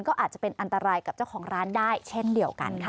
ก็อาจจะเป็นอันตรายกับเจ้าของร้านได้เช่นเดียวกันค่ะ